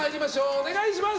お願いします！